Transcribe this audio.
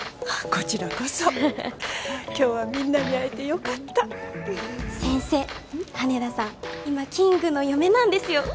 こちらこそ今日はみんなに会えてよかった先生羽田さん今キングの嫁なんですよ